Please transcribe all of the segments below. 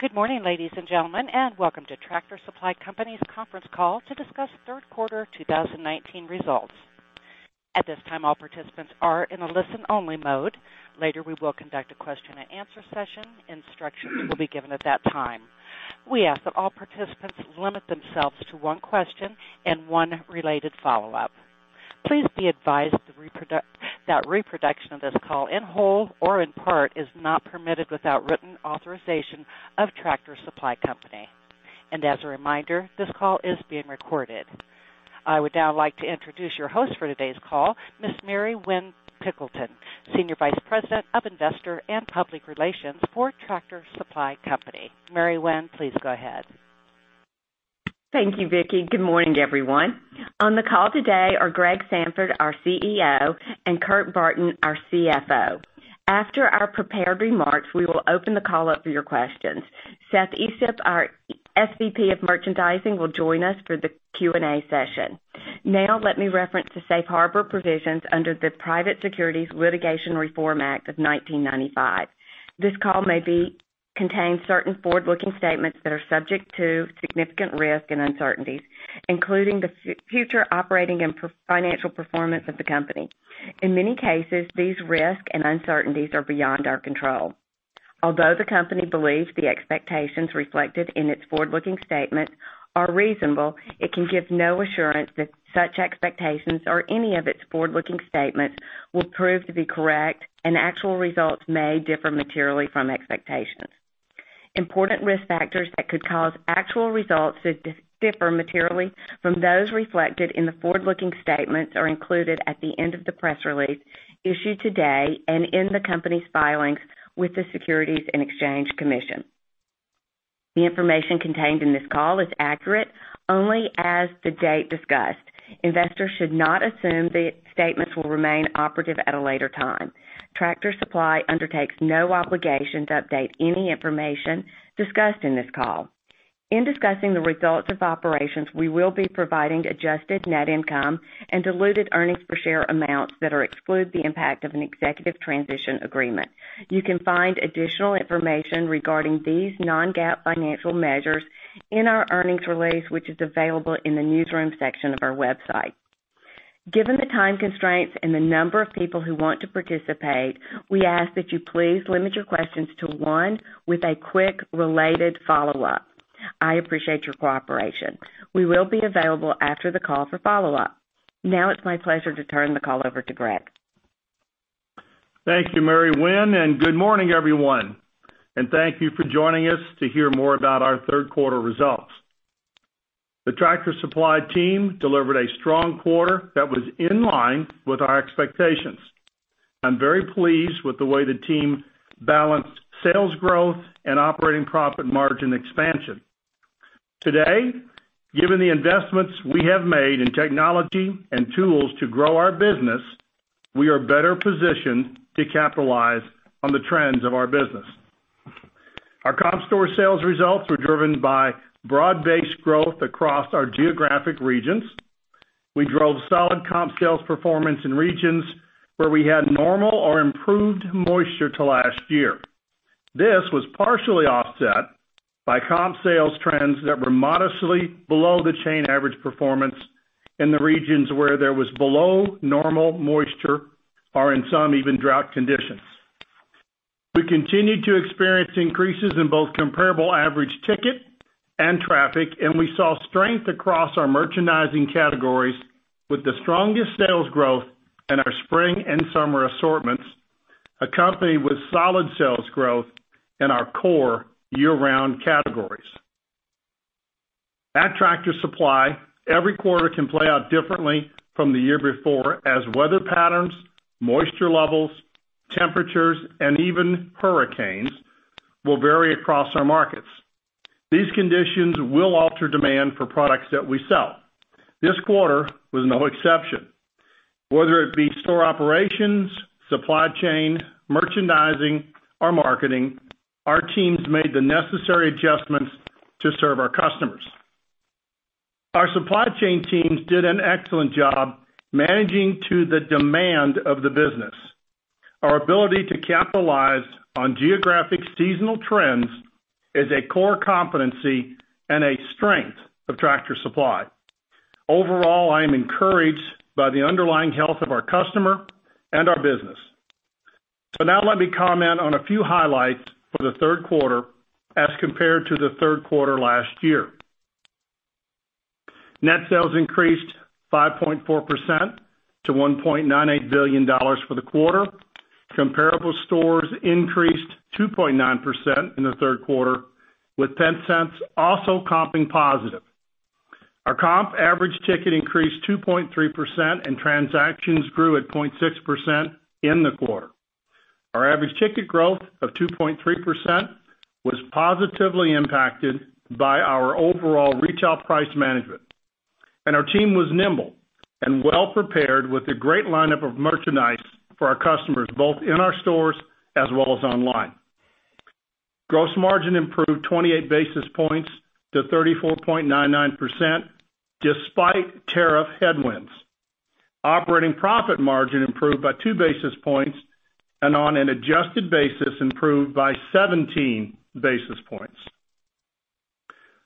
Good morning, ladies and gentlemen, and welcome to Tractor Supply Company's conference call to discuss third quarter 2019 results. At this time, all participants are in a listen-only mode. Later, we will conduct a question and answer session. Instructions will be given at that time. We ask that all participants limit themselves to one question and one related follow-up. Please be advised that reproduction of this call in whole or in part is not permitted without written authorization of Tractor Supply Company. As a reminder, this call is being recorded. I would now like to introduce your host for today's call, Ms. Mary Winn Pilkington, Senior Vice President of Investor and Public Relations for Tractor Supply Company. Mary Winn, please go ahead. Thank you, Vicki. Good morning, everyone. On the call today are Greg Sandfort, our CEO, and Kurt Barton, our CFO. After our prepared remarks, we will open the call up for your questions. Seth Estep, our SVP of Merchandising, will join us for the Q&A session. Now let me reference the safe harbor provisions under the Private Securities Litigation Reform Act of 1995. This call may contain certain forward-looking statements that are subject to significant risks and uncertainties, including the future operating and financial performance of the company. In many cases, these risks and uncertainties are beyond our control. Although the company believes the expectations reflected in its forward-looking statements are reasonable, it can give no assurance that such expectations or any of its forward-looking statements will prove to be correct, and actual results may differ materially from expectations. Important risk factors that could cause actual results to differ materially from those reflected in the forward-looking statements are included at the end of the press release issued today and in the company's filings with the Securities and Exchange Commission. The information contained in this call is accurate only as the date discussed. Investors should not assume the statements will remain operative at a later time. Tractor Supply undertakes no obligation to update any information discussed in this call. In discussing the results of operations, we will be providing adjusted net income and diluted earnings per share amounts that exclude the impact of an executive transition agreement. You can find additional information regarding these non-GAAP financial measures in our earnings release, which is available in the Newsroom section of our website. Given the time constraints and the number of people who want to participate, we ask that you please limit your questions to one with a quick related follow-up. I appreciate your cooperation. We will be available after the call for follow-up. Now it's my pleasure to turn the call over to Greg. Thank you, Mary Winn. Good morning, everyone. Thank you for joining us to hear more about our third quarter results. The Tractor Supply team delivered a strong quarter that was in line with our expectations. I am very pleased with the way the team balanced sales growth and operating profit margin expansion. Today, given the investments we have made in technology and tools to grow our business, we are better positioned to capitalize on the trends of our business. Our comp store sales results were driven by broad-based growth across our geographic regions. We drove solid comp sales performance in regions where we had normal or improved moisture to last year. This was partially offset by comp sales trends that were modestly below the chain average performance in the regions where there was below normal moisture or in some even drought conditions. We continued to experience increases in both comparable average ticket and traffic. We saw strength across our merchandising categories with the strongest sales growth in our spring and summer assortments, accompanied with solid sales growth in our core year-round categories. At Tractor Supply, every quarter can play out differently from the year before, as weather patterns, moisture levels, temperatures, and even hurricanes will vary across our markets. These conditions will alter demand for products that we sell. This quarter was no exception. Whether it be store operations, supply chain, merchandising, or marketing, our teams made the necessary adjustments to serve our customers. Our supply chain teams did an excellent job managing to the demand of the business. Our ability to capitalize on geographic seasonal trends is a core competency and a strength of Tractor Supply. Overall, I am encouraged by the underlying health of our customer and our business. Now let me comment on a few highlights for the third quarter as compared to the third quarter last year. Net sales increased 5.4% to $1.98 billion for the quarter. Comparable stores increased 2.9% in the third quarter, with Petsense also comping positive. Our comp average ticket increased 2.3% and transactions grew at 0.6% in the quarter. Our average ticket growth of 2.3% was positively impacted by our overall retail price management. Our team was nimble and well-prepared with a great lineup of merchandise for our customers, both in our stores as well as online. Gross margin improved 28 basis points to 34.99% despite tariff headwinds. Operating profit margin improved by two basis points, and on an adjusted basis, improved by 17 basis points.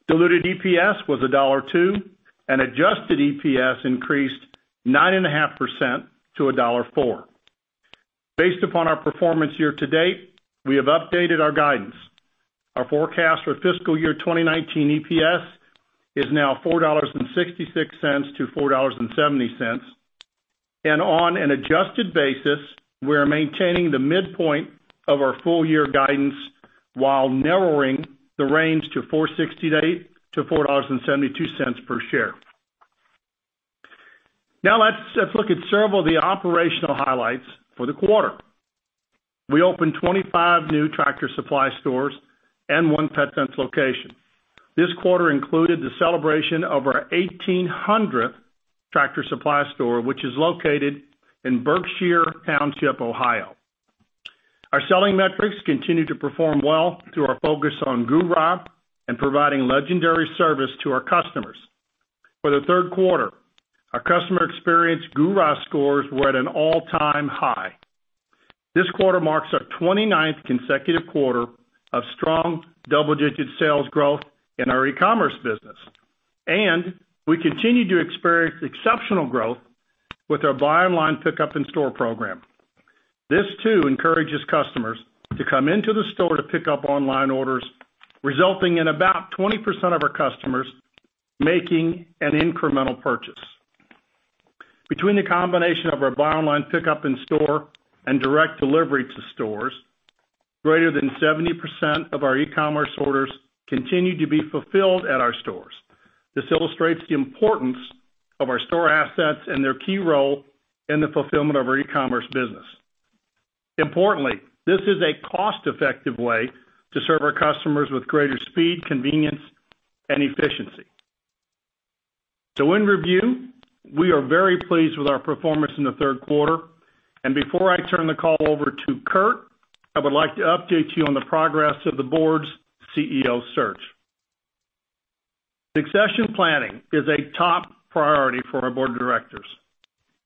Diluted EPS was $1.02, and adjusted EPS increased 9.5% to $1.04. Based upon our performance year-to-date, we have updated our guidance. Our forecast for fiscal year 2019 EPS is now $4.66 to $4.70. On an adjusted basis, we are maintaining the midpoint of our full-year guidance while narrowing the range to $4.68 to $4.72 per share. Now let's look at several of the operational highlights for the quarter. We opened 25 new Tractor Supply stores and one Petsense location. This quarter included the celebration of our 1,800th Tractor Supply store, which is located in Berkshire Township, Ohio. Our selling metrics continue to perform well through our focus on GURA and providing legendary service to our customers. For the third quarter, our customer experience GURA scores were at an all-time high. This quarter marks our 29th consecutive quarter of strong double-digit sales growth in our e-commerce business. We continue to experience exceptional growth with our buy online, pickup in store program. This too encourages customers to come into the store to pick up online orders, resulting in about 20% of our customers making an incremental purchase. Between the combination of our buy online, pickup in store and direct delivery to stores, greater than 70% of our e-commerce orders continue to be fulfilled at our stores. This illustrates the importance of our store assets and their key role in the fulfillment of our e-commerce business. Importantly, this is a cost-effective way to serve our customers with greater speed, convenience, and efficiency. In review, we are very pleased with our performance in the third quarter. Before I turn the call over to Kurt, I would like to update you on the progress of the board's CEO search. Succession planning is a top priority for our board of directors.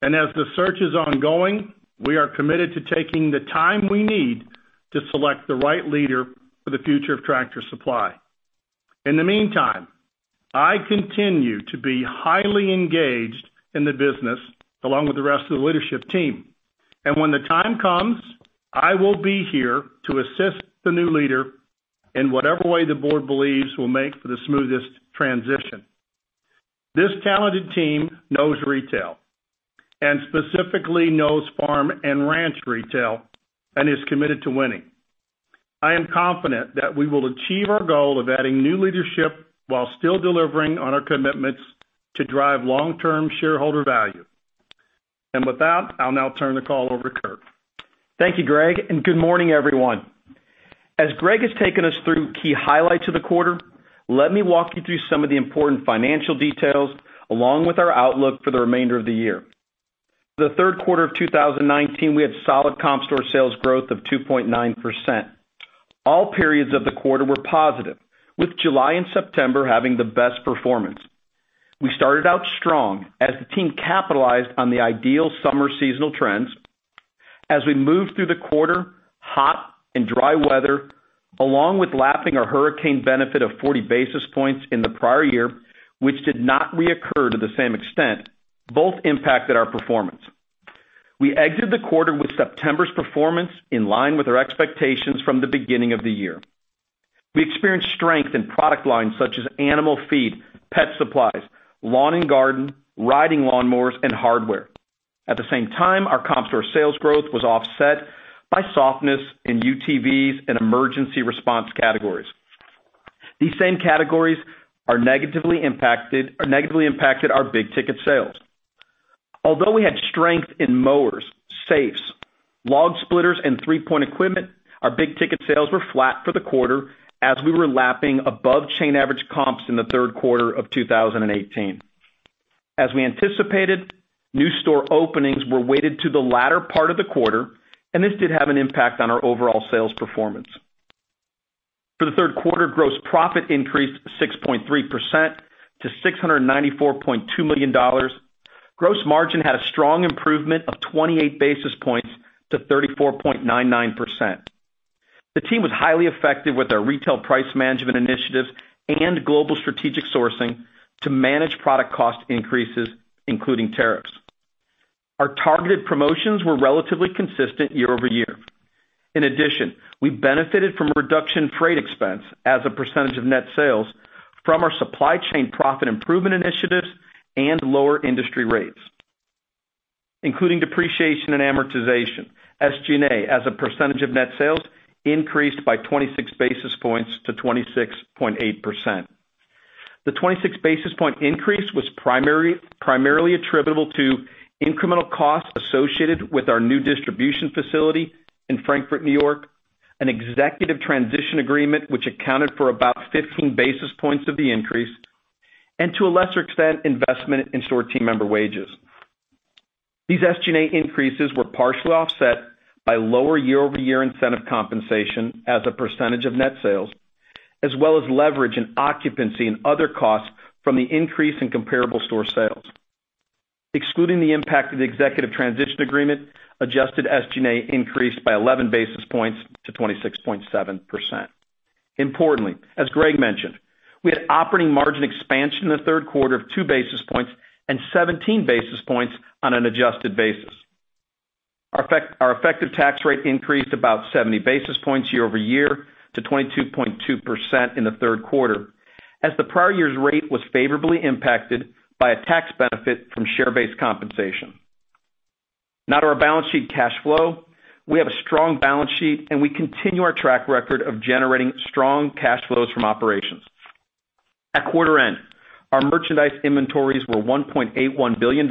As the search is ongoing, we are committed to taking the time we need to select the right leader for the future of Tractor Supply. In the meantime, I continue to be highly engaged in the business along with the rest of the leadership team. When the time comes, I will be here to assist the new leader in whatever way the board believes will make for the smoothest transition. This talented team knows retail, and specifically knows Farm & Ranch retail, and is committed to winning. I am confident that we will achieve our goal of adding new leadership while still delivering on our commitments to drive long-term shareholder value. With that, I'll now turn the call over to Kurt. Thank you, Greg, and good morning, everyone. As Greg has taken us through key highlights of the quarter, let me walk you through some of the important financial details along with our outlook for the remainder of the year. The third quarter of 2019, we had solid comp store sales growth of 2.9%. All periods of the quarter were positive, with July and September having the best performance. We started out strong as the team capitalized on the ideal summer seasonal trends. As we moved through the quarter, hot and dry weather, along with lapping our hurricane benefit of 40 basis points in the prior year, which did not reoccur to the same extent, both impacted our performance. We exited the quarter with September's performance in line with our expectations from the beginning of the year. We experienced strength in product lines such as animal feed, pet supplies, lawn and garden, riding lawn mowers, and hardware. At the same time, our comp store sales growth was offset by softness in UTVs and emergency response categories. These same categories negatively impacted our big ticket sales. Although we had strength in mowers, safes, log splitters, and 3-point equipment, our big ticket sales were flat for the quarter as we were lapping above chain average comps in the third quarter of 2018. As we anticipated, new store openings were weighted to the latter part of the quarter, and this did have an impact on our overall sales performance. For the third quarter, gross profit increased 6.3% to $694.2 million. Gross margin had a strong improvement of 28 basis points to 34.99%. The team was highly effective with our retail price management initiatives and global strategic sourcing to manage product cost increases, including tariffs. Our targeted promotions were relatively consistent year-over-year. In addition, we benefited from a reduction in freight expense as a percentage of net sales from our supply chain profit improvement initiatives and lower industry rates. Including depreciation and amortization, SG&A as a percentage of net sales increased by 26 basis points to 26.8%. The 26 basis point increase was primarily attributable to incremental costs associated with our new distribution facility in Frankfort, New York, an executive transition agreement which accounted for about 15 basis points of the increase, and to a lesser extent, investment in store team member wages. These SG&A increases were partially offset by lower year-over-year incentive compensation as a percentage of net sales, as well as leverage and occupancy and other costs from the increase in comparable store sales. Excluding the impact of the executive transition agreement, adjusted SG&A increased by 11 basis points to 26.7%. Importantly, as Greg mentioned, we had operating margin expansion in the third quarter of two basis points and 17 basis points on an adjusted basis. Our effective tax rate increased about 70 basis points year-over-year to 22.2% in the third quarter, as the prior year's rate was favorably impacted by a tax benefit from share-based compensation. To our balance sheet cash flow. We have a strong balance sheet, and we continue our track record of generating strong cash flows from operations. At quarter end, our merchandise inventories were $1.81 billion,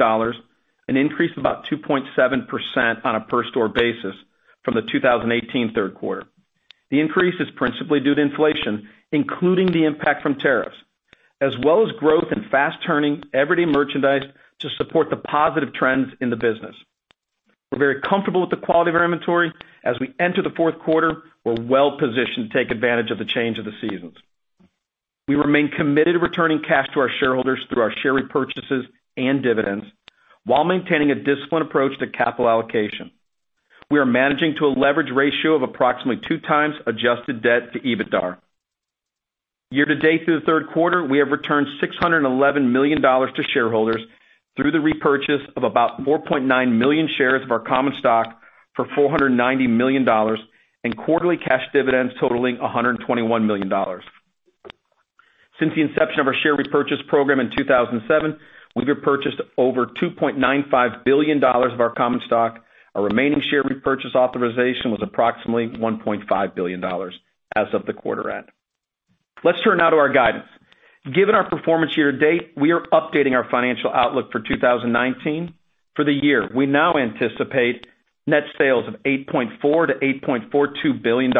an increase of about 2.7% on a per store basis from the 2018 third quarter. The increase is principally due to inflation, including the impact from tariffs, as well as growth in fast turning everyday merchandise to support the positive trends in the business. We're very comfortable with the quality of our inventory. As we enter the fourth quarter, we're well-positioned to take advantage of the change of the seasons. We remain committed to returning cash to our shareholders through our share repurchases and dividends while maintaining a disciplined approach to capital allocation. We are managing to a leverage ratio of approximately 2 times adjusted debt to EBITDA. Year to date through the third quarter, we have returned $611 million to shareholders through the repurchase of about 4.9 million shares of our common stock for $490 million and quarterly cash dividends totaling $121 million. Since the inception of our share repurchase program in 2007, we've repurchased over $2.95 billion of our common stock. Our remaining share repurchase authorization was approximately $1.5 billion as of the quarter end. Let's turn now to our guidance. Given our performance year to date, we are updating our financial outlook for 2019. For the year, we now anticipate net sales of $8.4 billion-$8.42 billion,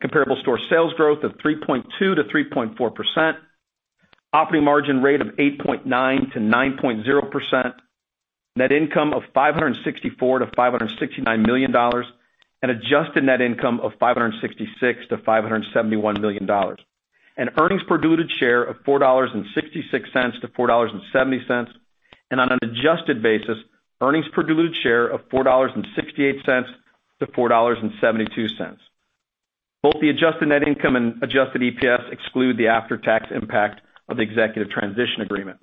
comparable store sales growth of 3.2%-3.4%, operating margin rate of 8.9%-9.0%, net income of $564 million-$569 million, and adjusted net income of $566 million-$571 million, and earnings per diluted share of $4.66-$4.70. On an adjusted basis, earnings per diluted share of $4.68-$4.72. Both the adjusted net income and adjusted EPS exclude the after-tax impact of the executive transition agreement.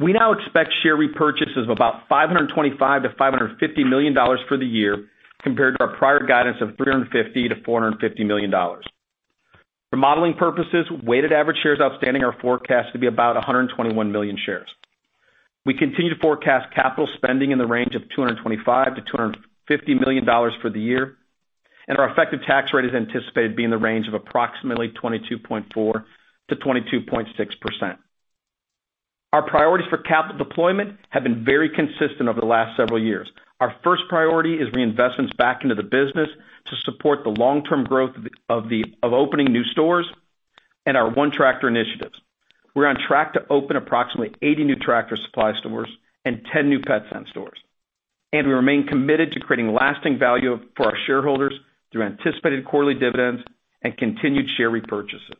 We now expect share repurchases of about $525-$550 million for the year, compared to our prior guidance of $350-$450 million. For modeling purposes, weighted average shares outstanding are forecast to be about 121 million shares. We continue to forecast capital spending in the range of $225-$250 million for the year, and our effective tax rate is anticipated to be in the range of approximately 22.4%-22.6%. Our priorities for capital deployment have been very consistent over the last several years. Our first priority is reinvestments back into the business to support the long-term growth of opening new stores and our ONETractor initiatives. We're on track to open approximately 80 new Tractor Supply stores and 10 new Petsense stores, and we remain committed to creating lasting value for our shareholders through anticipated quarterly dividends and continued share repurchases.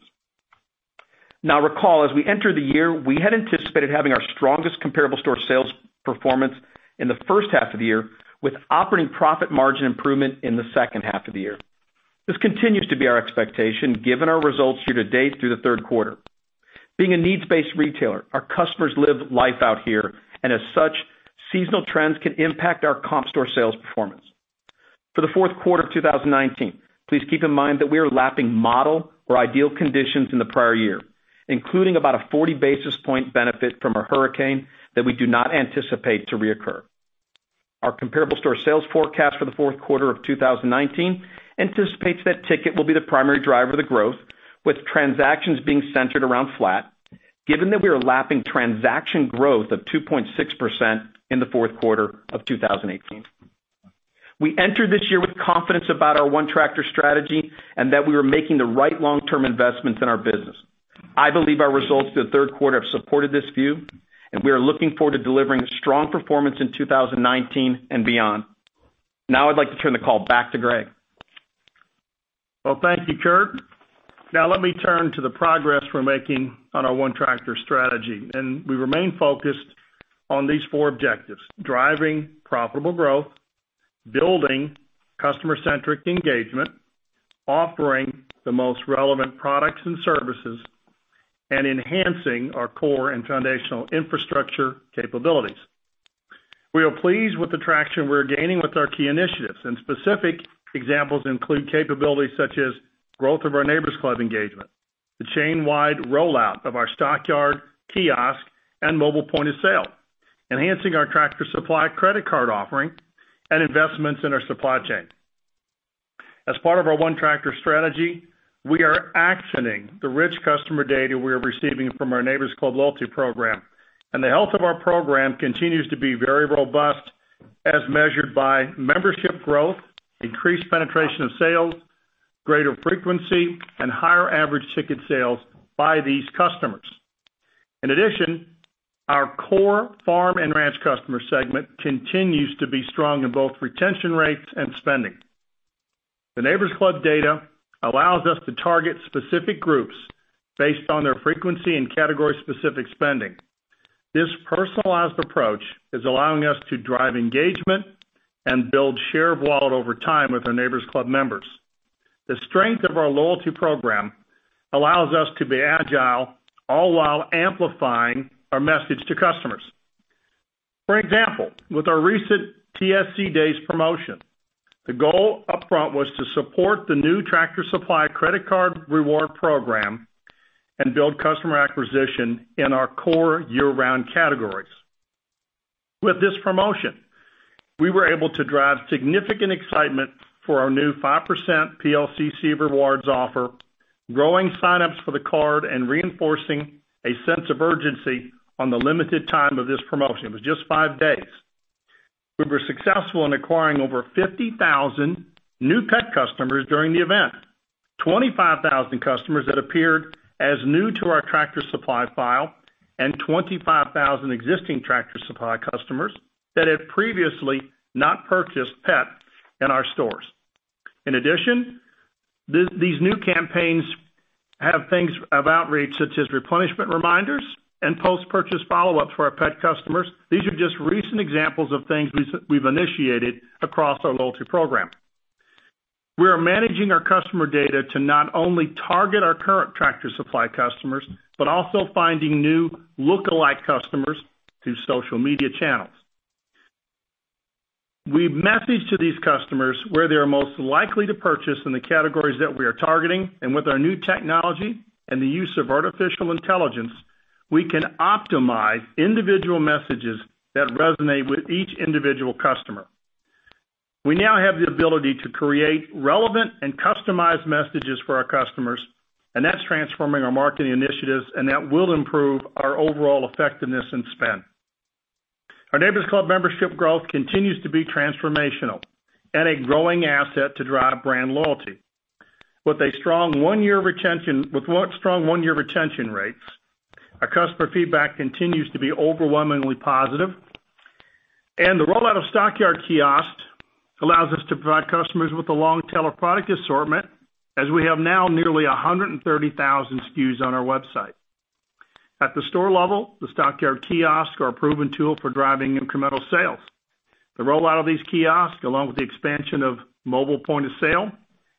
Now recall, as we entered the year, we had anticipated having our strongest comparable store sales performance in the first half of the year, with operating profit margin improvement in the second half of the year. This continues to be our expectation, given our results year to date through the third quarter. Being a needs-based retailer, our customers live life out here, and as such, seasonal trends can impact our comp store sales performance. For the fourth quarter of 2019, please keep in mind that we are lapping model or ideal conditions in the prior year, including about a 40 basis point benefit from a hurricane that we do not anticipate to reoccur. Our comparable store sales forecast for the fourth quarter of 2019 anticipates that ticket will be the primary driver of the growth, with transactions being centered around flat, given that we are lapping transaction growth of 2.6% in the fourth quarter of 2018. We entered this year with confidence about our ONETractor strategy and that we were making the right long-term investments in our business. I believe our results for the third quarter have supported this view, and we are looking forward to delivering strong performance in 2019 and beyond. Now I'd like to turn the call back to Greg. Thank you, Kurt. Let me turn to the progress we're making on our ONETractor strategy. We remain focused on these four objectives: driving profitable growth, building customer-centric engagement, offering the most relevant products and services, and enhancing our core and foundational infrastructure capabilities. We are pleased with the traction we're gaining with our key initiatives, and specific examples include capabilities such as growth of our Neighbor's Club engagement, the chain-wide rollout of our Stockyard kiosk and mobile point of sale, enhancing our Tractor Supply credit card offering, and investments in our supply chain. As part of our ONETractor strategy, we are actioning the rich customer data we are receiving from our Neighbor's Club loyalty program. The health of our program continues to be very robust as measured by membership growth, increased penetration of sales, greater frequency, and higher average ticket sales by these customers. In addition, our core Farm & Ranch customer segment continues to be strong in both retention rates and spending. The Neighbor's Club data allows us to target specific groups based on their frequency in category-specific spending. This personalized approach is allowing us to drive engagement and build share of wallet over time with our Neighbor's Club members. The strength of our loyalty program allows us to be agile, all while amplifying our message to customers. For example, with our recent TSC Days promotion, the goal upfront was to support the new Tractor Supply credit card reward program and build customer acquisition in our core year-round categories. With this promotion, we were able to drive significant excitement for our new 5% PLCC rewards offer, growing sign-ups for the card, and reinforcing a sense of urgency on the limited time of this promotion. It was just five days. We were successful in acquiring over 50,000 new pet customers during the event, 25,000 customers that appeared as new to our Tractor Supply file, and 25,000 existing Tractor Supply customers that had previously not purchased pet in our stores. In addition, these new campaigns have things of outreach, such as replenishment reminders and post-purchase follow-ups for our pet customers. These are just recent examples of things we've initiated across our loyalty program. We are managing our customer data to not only target our current Tractor Supply customers, but also finding new lookalike customers through social media channels. We message to these customers where they're most likely to purchase in the categories that we are targeting. With our new technology and the use of artificial intelligence, we can optimize individual messages that resonate with each individual customer. We now have the ability to create relevant and customized messages for our customers, and that's transforming our marketing initiatives, and that will improve our overall effectiveness and spend. Our Neighbor's Club membership growth continues to be transformational and a growing asset to drive brand loyalty. With strong one-year retention rates, our customer feedback continues to be overwhelmingly positive, and the rollout of Stockyard kiosk allows us to provide customers with a long tail of product assortment as we have now nearly 130,000 SKUs on our website. At the store level, the Stockyard kiosks are a proven tool for driving incremental sales. The rollout of these kiosks, along with the expansion of mobile point-of-sale,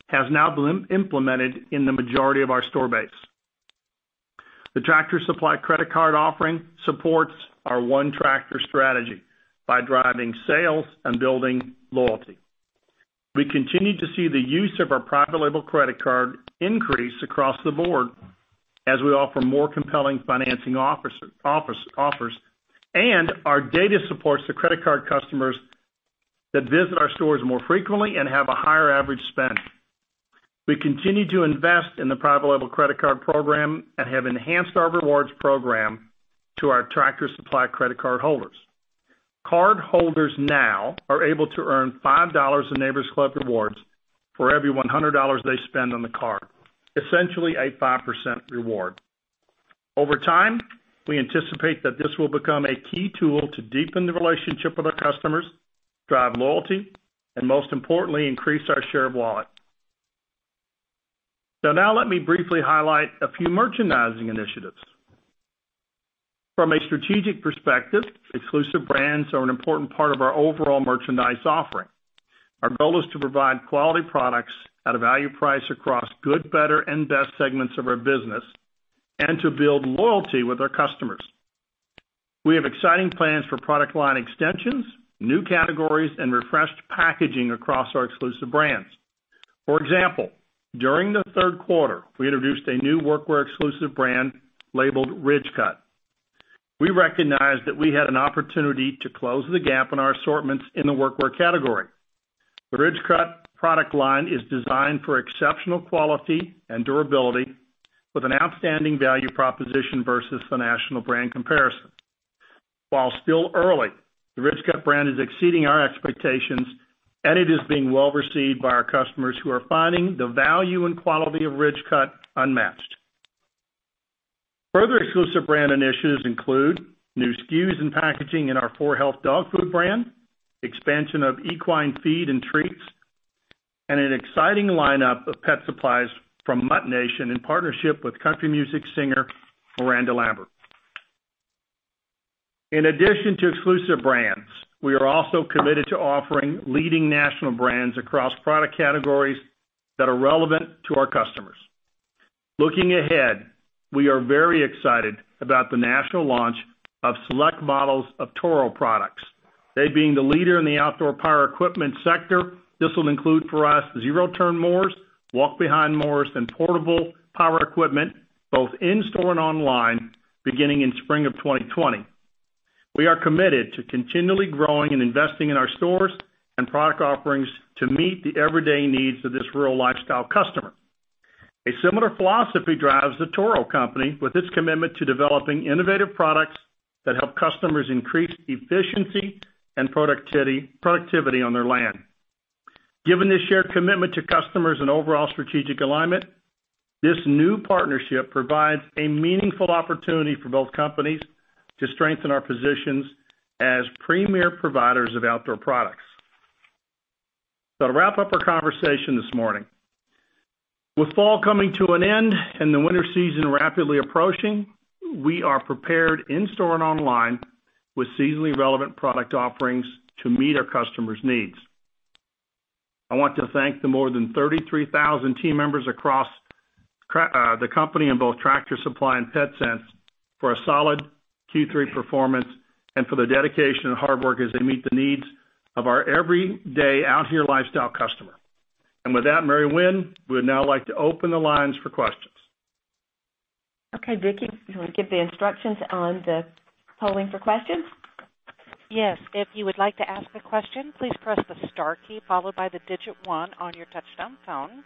has now been implemented in the majority of our store base. The Tractor Supply credit card offering supports our ONETractor strategy by driving sales and building loyalty. We continue to see the use of our private label credit card increase across the board as we offer more compelling financing offers, and our data supports the credit card customers that visit our stores more frequently and have a higher average spend. We continue to invest in the private label credit card program and have enhanced our rewards program to our Tractor Supply credit card holders. Card holders now are able to earn $5 in Neighbor's Club rewards for every $100 they spend on the card, essentially a 5% reward. Over time, we anticipate that this will become a key tool to deepen the relationship with our customers, drive loyalty, and most importantly, increase our share of wallet. Now let me briefly highlight a few merchandising initiatives. From a strategic perspective, exclusive brands are an important part of our overall merchandise offering. Our goal is to provide quality products at a value price across good, better, and best segments of our business, and to build loyalty with our customers. We have exciting plans for product line extensions, new categories, and refreshed packaging across our exclusive brands. For example, during the third quarter, we introduced a new workwear exclusive brand labeled Ridgecut. We recognized that we had an opportunity to close the gap on our assortments in the workwear category. The Ridgecut product line is designed for exceptional quality and durability with an outstanding value proposition versus the national brand comparison. While still early, the Ridgecut brand is exceeding our expectations, and it is being well received by our customers who are finding the value and quality of Ridgecut unmatched. Further exclusive brand initiatives include new SKUs and packaging in our 4health dog food brand, expansion of equine feed and treats, and an exciting lineup of pet supplies from MuttNation in partnership with country music singer Miranda Lambert. In addition to exclusive brands, we are also committed to offering leading national brands across product categories that are relevant to our customers. Looking ahead, we are very excited about the national launch of select models of Toro products. They being the leader in the outdoor power equipment sector. This will include for us zero-turn mowers, walk-behind mowers, and portable power equipment both in-store and online beginning in spring of 2020. We are committed to continually growing and investing in our stores and product offerings to meet the everyday needs of this rural lifestyle customer. A similar philosophy drives the Toro Company with its commitment to developing innovative products that help customers increase efficiency and productivity on their land. Given this shared commitment to customers and overall strategic alignment, this new partnership provides a meaningful opportunity for both companies to strengthen our positions as premier providers of outdoor products. To wrap up our conversation this morning, with fall coming to an end and the winter season rapidly approaching, we are prepared in-store and online with seasonally relevant product offerings to meet our customers' needs. I want to thank the more than 33,000 team members across the company, in both Tractor Supply and Petsense, for a solid Q3 performance and for their dedication and hard work as they meet the needs of our everyday Out Here lifestyle customer. With that, Mary Winn, we would now like to open the lines for questions. Okay, Vicki, do you want to give the instructions on the polling for questions? Yes. If you would like to ask a question, please press the star key followed by the digit 1 on your touch-tone phone.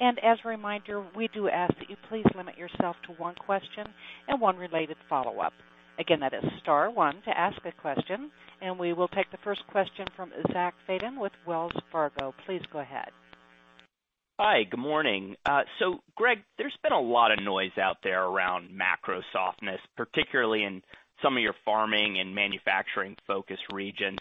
As a reminder, we do ask that you please limit yourself to one question and one related follow-up. Again, that is star one to ask a question. We will take the first question from Zachary Fadem with Wells Fargo. Please go ahead. Hi. Good morning. Greg, there's been a lot of noise out there around macro softness, particularly in some of your farming and manufacturing-focused regions.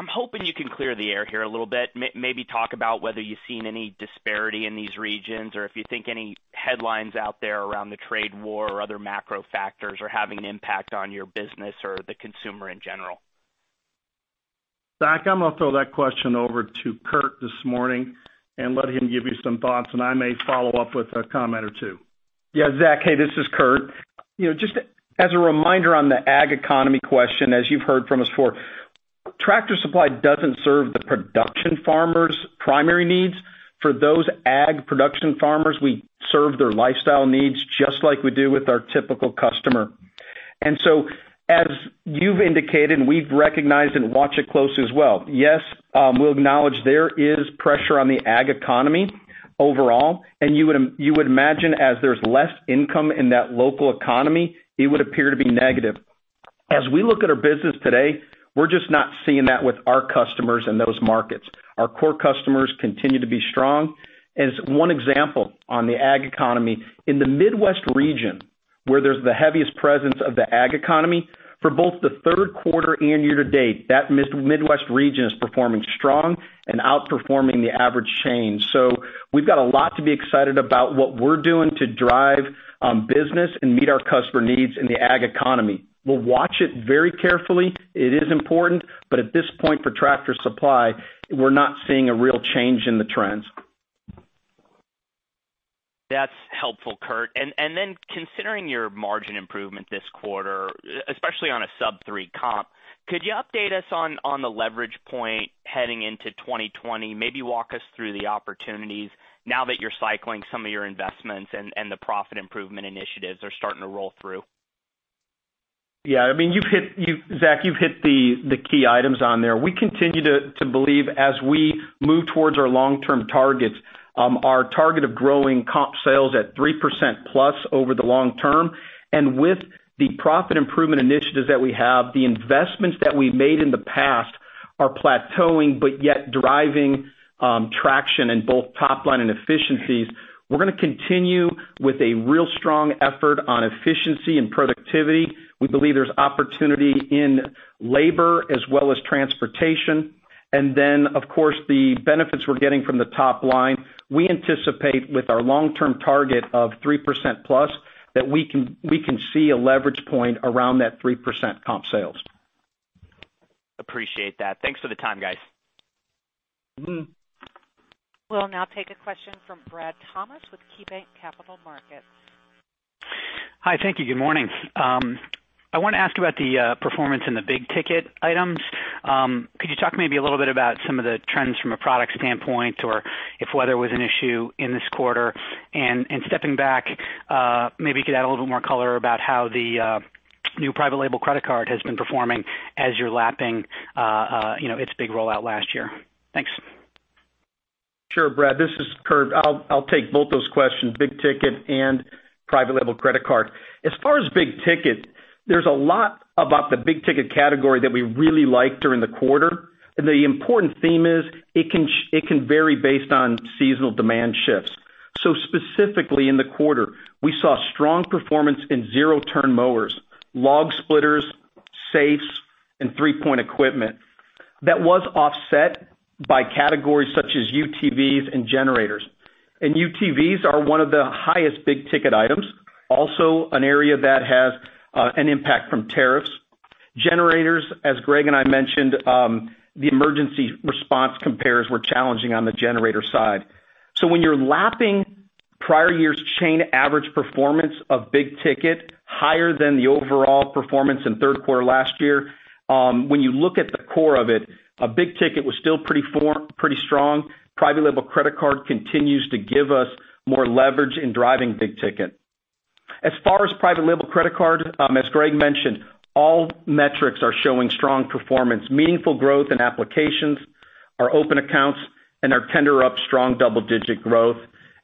I'm hoping you can clear the air here a little bit, maybe talk about whether you've seen any disparity in these regions or if you think any headlines out there around the trade war or other macro factors are having an impact on your business or the consumer in general. Zach, I'm going to throw that question over to Kurt this morning and let him give you some thoughts, and I may follow up with a comment or two. Zach, hey, this is Kurt. Just as a reminder on the ag economy question, as you've heard from us before, Tractor Supply doesn't serve the production farmers' primary needs. For those ag production farmers, we serve their lifestyle needs just like we do with our typical customer. As you've indicated, and we've recognized and watch it close as well, yes, we'll acknowledge there is pressure on the ag economy overall, and you would imagine as there's less income in that local economy, it would appear to be negative. As we look at our business today, we're just not seeing that with our customers in those markets. Our core customers continue to be strong. As one example on the ag economy, in the Midwest region, where there's the heaviest presence of the ag economy, for both the third quarter and year to date, that Midwest region is performing strong and outperforming the average chain. We've got a lot to be excited about what we're doing to drive business and meet our customer needs in the ag economy. We'll watch it very carefully. It is important, but at this point for Tractor Supply, we're not seeing a real change in the trends. That's helpful, Kurt. Then considering your margin improvement this quarter, especially on a sub three comp, could you update us on the leverage point heading into 2020? Maybe walk us through the opportunities now that you're cycling some of your investments and the profit improvement initiatives are starting to roll through. Zach, you've hit the key items on there. We continue to believe as we move towards our long-term targets, our target of growing comp sales at 3% plus over the long term, and with the profit improvement initiatives that we have, the investments that we made in the past are plateauing, but yet driving traction in both top line and efficiencies. We're going to continue with a real strong effort on efficiency and productivity. We believe there's opportunity in labor as well as transportation. Of course, the benefits we're getting from the top line. We anticipate with our long-term target of 3% plus that we can see a leverage point around that 3% comp sales. Appreciate that. Thanks for the time, guys. We'll now take a question from Bradley Thomas with KeyBanc Capital Markets. Hi. Thank you. Good morning. I want to ask about the performance in the big ticket items. Could you talk maybe a little bit about some of the trends from a product standpoint or if weather was an issue in this quarter? Stepping back, maybe you could add a little bit more color about how the new private label credit card has been performing as you're lapping its big rollout last year. Thanks. Sure, Brad. This is Kurt. I'll take both those questions, big ticket and private label credit card. As far as big ticket, there's a lot about the big ticket category that we really liked during the quarter. The important theme is it can vary based on seasonal demand shifts. Specifically in the quarter, we saw strong performance in zero-turn mowers, log splitters, safes, and three-point equipment that was offset by categories such as UTVs and generators. UTVs are one of the highest big ticket items, also an area that has an impact from tariffs. Generators, as Greg and I mentioned, the emergency response compares were challenging on the generator side. When you're lapping prior year's chain average performance of big ticket higher than the overall performance in third quarter last year, when you look at the core of it, big ticket was still pretty strong. Private label credit card continues to give us more leverage in driving big ticket. As far as private label credit card, as Greg mentioned, all metrics are showing strong performance, meaningful growth in applications, our open accounts, and our tender up strong double-digit growth.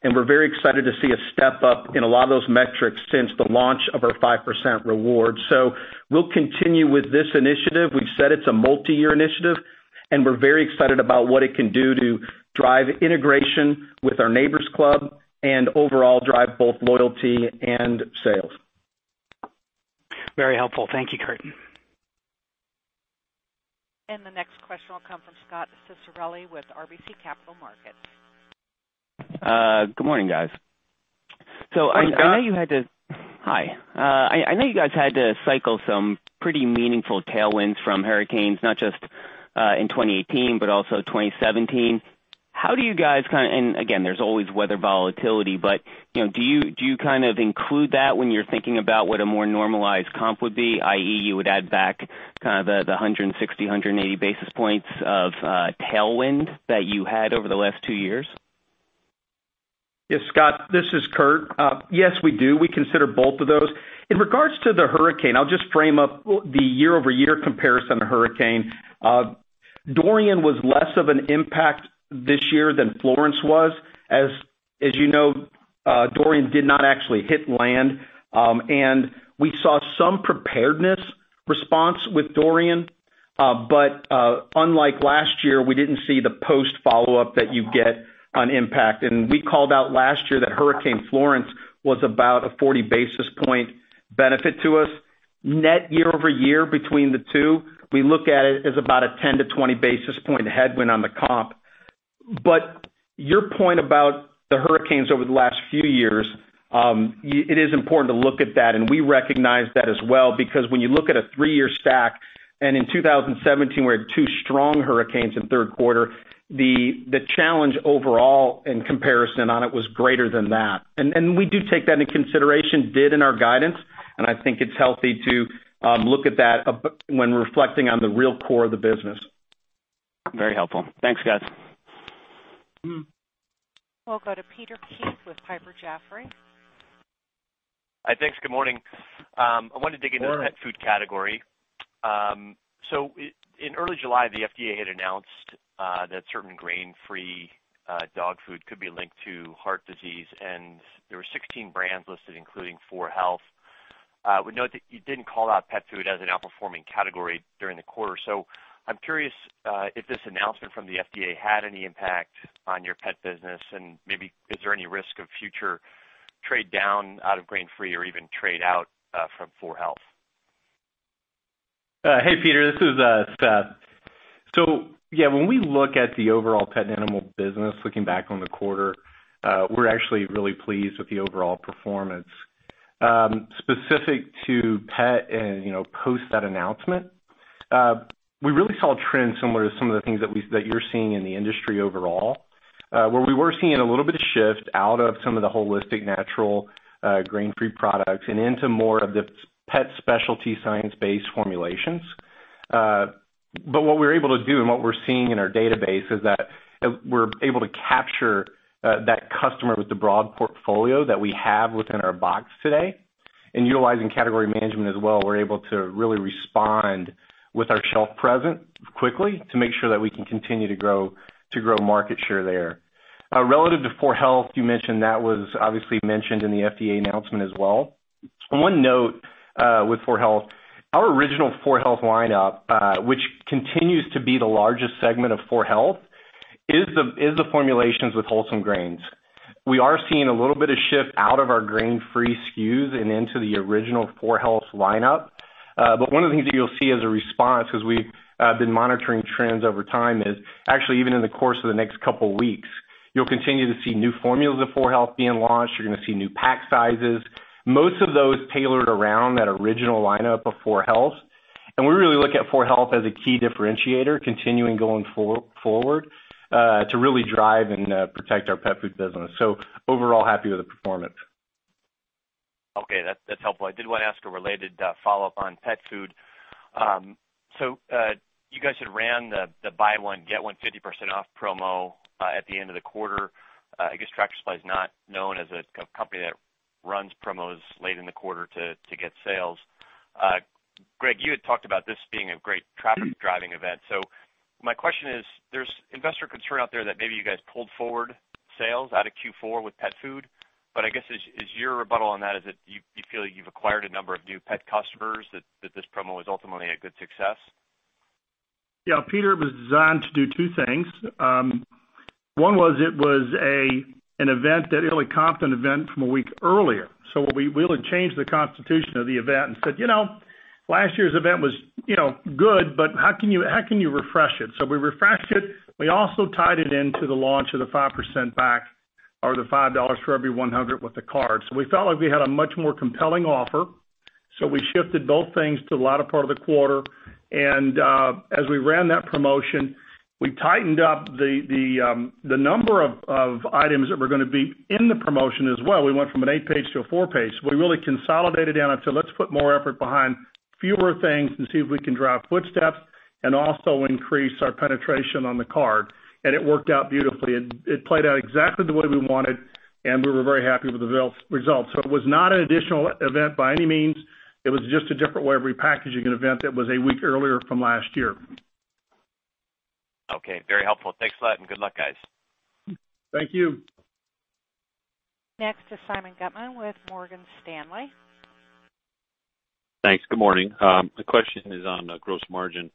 We're very excited to see a step up in a lot of those metrics since the launch of our 5% reward. We'll continue with this initiative. We've said it's a multi-year initiative, and we're very excited about what it can do to drive integration with our Neighbor's Club, and overall drive both loyalty and sales. Very helpful. Thank you, Kurt. The next question will come from Scot Ciccarelli with RBC Capital Markets. Good morning, guys. Hi, Scot. Hi. I know you guys had to cycle some pretty meaningful tailwinds from hurricanes, not just in 2018, but also 2017. Again, there's always weather volatility, but do you include that when you're thinking about what a more normalized comp would be, i.e., you would add back kind of the 160, 180 basis points of tailwind that you had over the last two years? Yes, Scot, this is Kurt. Yes, we do. We consider both of those. In regards to the hurricane, I'll just frame up the year-over-year comparison hurricane. Dorian was less of an impact this year than Florence was. As you know, Dorian did not actually hit land. We saw some preparedness response with Dorian. Unlike last year, we didn't see the post follow-up that you get on impact. We called out last year that Hurricane Florence was about a 40 basis point benefit to us. Net year-over-year between the two, we look at it as about a 10-20 basis point headwind on the comp. Your point about the hurricanes over the last few years, it is important to look at that, and we recognize that as well. When you look at a three-year stack, and in 2017, we had two strong hurricanes in third quarter, the challenge overall in comparison on it was greater than that. We do take that into consideration, did in our guidance, and I think it's healthy to look at that when reflecting on the real core of the business. Very helpful. Thanks, guys. We'll go to Peter Keith with Piper Jaffray. Thanks. Good morning. Good morning. that food category. In early July, the FDA had announced that certain grain-free dog food could be linked to heart disease, and there were 16 brands listed, including 4health. We note that you didn't call out pet food as an outperforming category during the quarter. I'm curious if this announcement from the FDA had any impact on your pet business, and maybe is there any risk of future trade down out of grain-free or even trade out from 4health? Hey, Peter, this is Seth. Yeah, when we look at the overall pet and animal business, looking back on the quarter, we're actually really pleased with the overall performance. Specific to pet and post that announcement, we really saw a trend similar to some of the things that you're seeing in the industry overall, where we were seeing a little bit of shift out of some of the holistic natural grain-free products and into more of the pet specialty science-based formulations. What we're able to do and what we're seeing in our database is that we're able to capture that customer with the broad portfolio that we have within our box today. Utilizing category management as well, we're able to really respond with our shelf presence quickly to make sure that we can continue to grow market share there. Relative to 4health, you mentioned that was obviously mentioned in the FDA announcement as well. One note with 4health, our original 4health lineup, which continues to be the largest segment of 4health, is the formulations with wholesome grains. We are seeing a little bit of shift out of our grain-free SKUs and into the original 4health lineup. One of the things that you'll see as a response, because we've been monitoring trends over time, is actually even in the course of the next couple of weeks, you'll continue to see new formulas of 4health being launched. You're going to see new pack sizes, most of those tailored around that original lineup of 4health. We really look at 4health as a key differentiator, continuing going forward, to really drive and protect our pet food business. Overall, happy with the performance. Okay. That's helpful. I did want to ask a related follow-up on pet food. You guys had ran the buy one, get one 50% off promo at the end of the quarter. I guess Tractor Supply is not known as a company that runs promos late in the quarter to get sales. Greg, you had talked about this being a great traffic driving event. My question is, there's investor concern out there that maybe you guys pulled forward sales out of Q4 with pet food. I guess, is your rebuttal on that, is it you feel you've acquired a number of new pet customers that this promo was ultimately a good success? Yeah, Peter, it was designed to do two things. One was it was an event that it'll comp an event from a week earlier. We really changed the constitution of the event and said, "Last year's event was good, but how can you refresh it?" We refreshed it. We also tied it into the launch of the 5% back or the $5 for every 100 with the card. We felt like we had a much more compelling offer. We shifted both things to the latter part of the quarter. As we ran that promotion, we tightened up the number of items that were going to be in the promotion as well. We went from an eight page to a four page. We really consolidated down and said, "Let's put more effort behind fewer things and see if we can drive footsteps and also increase our penetration on the card." It worked out beautifully. It played out exactly the way we wanted, and we were very happy with the results. It was not an additional event by any means. It was just a different way of repackaging an event that was a week earlier from last year. Okay. Very helpful. Thanks a lot, and good luck, guys. Thank you. Next is Simeon Gutman with Morgan Stanley. Thanks. Good morning. The question is on gross margin.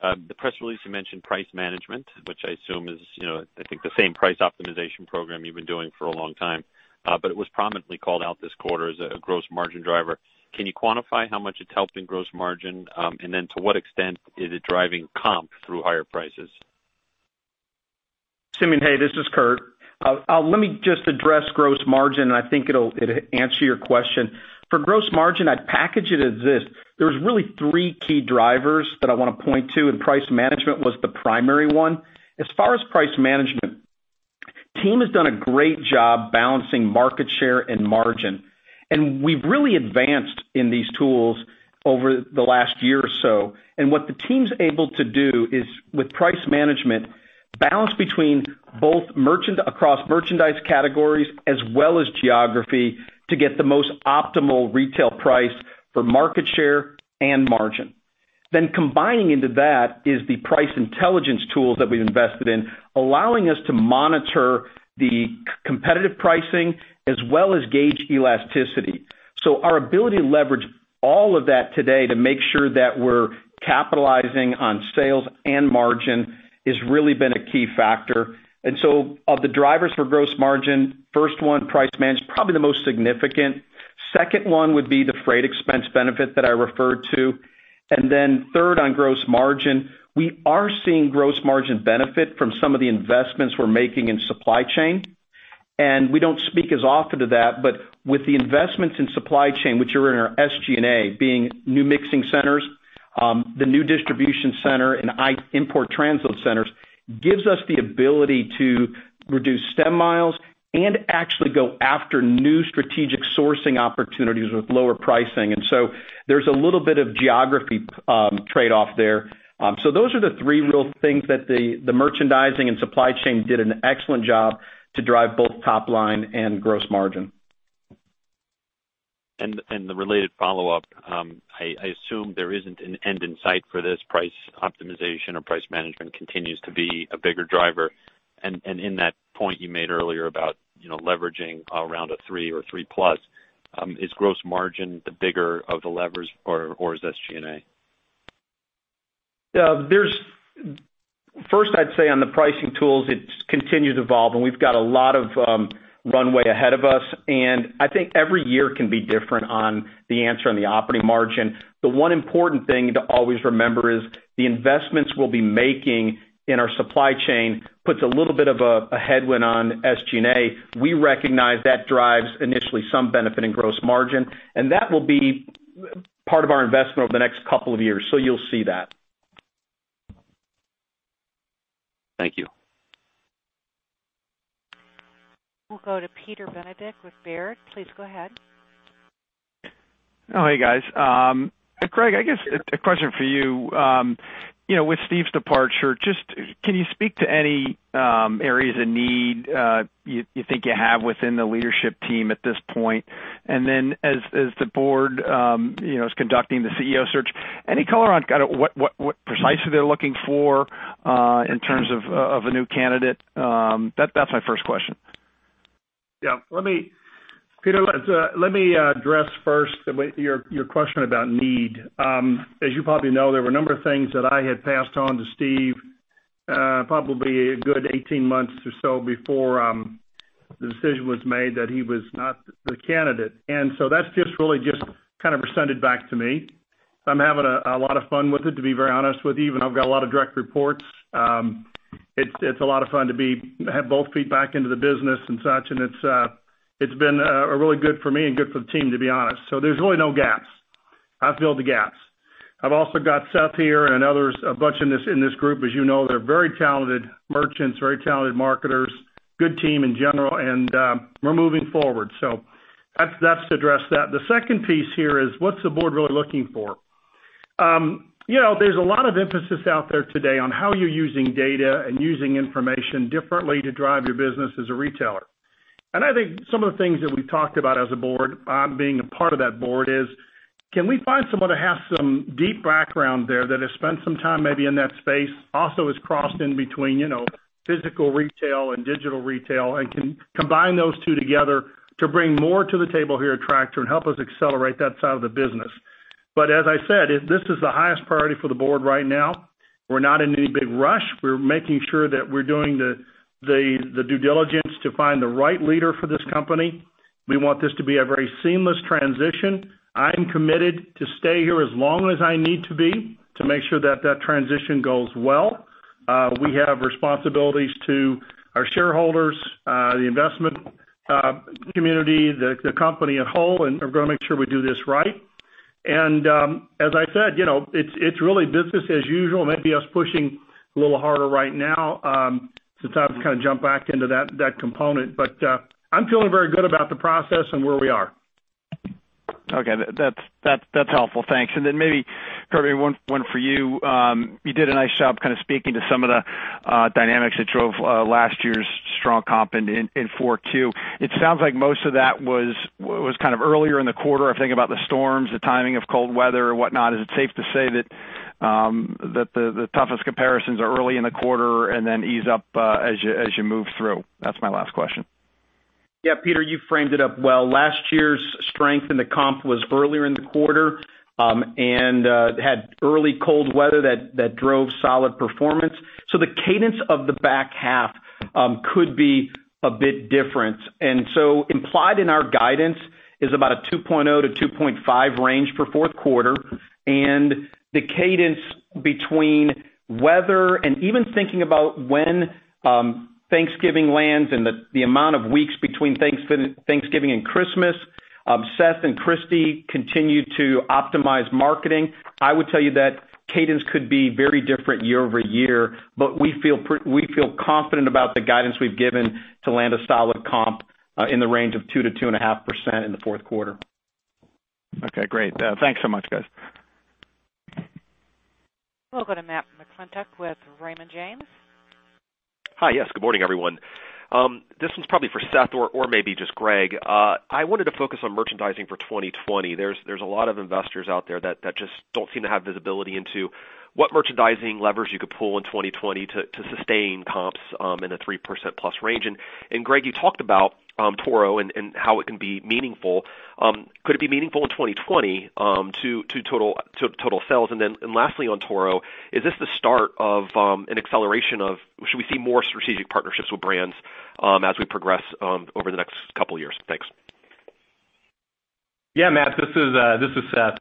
The press release you mentioned price management, which I assume is, I think, the same price optimization program you've been doing for a long time. It was prominently called out this quarter as a gross margin driver. Can you quantify how much it's helped in gross margin? To what extent is it driving comp through higher prices? Simeon. Hey. This is Kurt. Let me just address gross margin. I think it'll answer your question. For gross margin, I'd package it as this. There's really three key drivers that I want to point to. Price management was the primary one. As far as price management, team has done a great job balancing market share and margin. We've really advanced in these tools over the last year or so. What the team's able to do is with price management, balance between both across merchandise categories as well as geography to get the most optimal retail price for market share and margin. Combining into that is the price intelligence tools that we've invested in, allowing us to monitor the competitive pricing as well as gauge elasticity. Our ability to leverage all of that today to make sure that we're capitalizing on sales and margin has really been a key factor. Of the drivers for gross margin, first one, price manage, probably the most significant. Second one would be the freight expense benefit that I referred to. Third on gross margin, we are seeing gross margin benefit from some of the investments we're making in supply chain. We don't speak as often to that, but with the investments in supply chain, which are in our SG&A, being new mixing centers, the new distribution center and import transload centers, gives us the ability to reduce stem miles and actually go after new strategic sourcing opportunities with lower pricing. There's a little bit of geography trade-off there. Those are the three real things that the merchandising and supply chain did an excellent job to drive both top line and gross margin. The related follow-up, I assume there isn't an end in sight for this price optimization or price management continues to be a bigger driver. In that point you made earlier about leveraging around a three or three plus, is gross margin the bigger of the levers or is SG&A? First I'd say on the pricing tools, it's continued to evolve and we've got a lot of runway ahead of us. I think every year can be different on the answer on the operating margin. The one important thing to always remember is the investments we'll be making in our supply chain puts a little bit of a headwind on SG&A. We recognize that drives initially some benefit in gross margin, and that will be part of our investment over the next couple of years. You'll see that. Thank you. We'll go to Peter Benedict with Baird. Please go ahead. Oh, hey, guys. Greg, I guess a question for you. With Steve's departure, just can you speak to any areas of need you think you have within the leadership team at this point? As the board is conducting the CEO search, any color on kind of what precisely they're looking for in terms of a new candidate? That's my first question. Yeah. Peter, let me address first your question about need. As you probably know, there were a number of things that I had passed on to Steve probably a good 18 months or so before the decision was made that he was not the candidate. That's just really kind of rescinded back to me. I'm having a lot of fun with it, to be very honest with you, even though I've got a lot of direct reports. It's a lot of fun to have both feet back into the business and such, and it's been really good for me and good for the team, to be honest. There's really no gaps. I filled the gaps. I've also got Seth here and others, a bunch in this group. As you know, they're very talented merchants, very talented marketers, good team in general, and we're moving forward. That's to address that. The second piece here is what's the board really looking for? There's a lot of emphasis out there today on how you're using data and using information differently to drive your business as a retailer. I think some of the things that we've talked about as a board, I being a part of that board is, can we find someone that has some deep background there that has spent some time maybe in that space, also has crossed in between physical retail and digital retail and can combine those two together to bring more to the table here at Tractor and help us accelerate that side of the business. As I said, this is the highest priority for the board right now. We're not in any big rush. We're making sure that we're doing the due diligence to find the right leader for this company. We want this to be a very seamless transition. I'm committed to stay here as long as I need to be to make sure that that transition goes well. We have responsibilities to our shareholders, the investment community, the company at whole. We're going to make sure we do this right. As I said, it's really business as usual. Maybe us pushing a little harder right now, since I've kind of jumped back into that component. I'm feeling very good about the process and where we are. Okay. That's helpful. Thanks. Then maybe, Kurt, one for you. You did a nice job kind of speaking to some of the dynamics that drove last year's strong comp in Q4. It sounds like most of that was kind of earlier in the quarter. I think about the storms, the timing of cold weather or whatnot. Is it safe to say that the toughest comparisons are early in the quarter and then ease up as you move through? That's my last question. Yeah, Peter, you framed it up well. Last year's strength in the comp was earlier in the quarter, and had early cold weather that drove solid performance. The cadence of the back half could be a bit different. Implied in our guidance is about a 2.0-2.5 range for fourth quarter and the cadence between weather and even thinking about when Thanksgiving lands and the amount of weeks between Thanksgiving and Christmas. Seth and Christi continue to optimize marketing. I would tell you that cadence could be very different year-over-year, but we feel confident about the guidance we've given to land a solid comp in the range of 2%-2.5% in the fourth quarter. Okay, great. Thanks so much, guys. We'll go to Matthew McClintock with Raymond James. Hi. Yes, good morning, everyone. This one's probably for Seth or maybe just Greg. I wanted to focus on merchandising for 2020. There's a lot of investors out there that just don't seem to have visibility into what merchandising levers you could pull in 2020 to sustain comps in a 3% plus range. Greg, you talked about Toro and how it can be meaningful. Could it be meaningful in 2020 to total sales? Then lastly on Toro, is this the start of an acceleration of should we see more strategic partnerships with brands as we progress over the next couple of years? Thanks. Yeah, Matt, this is Seth.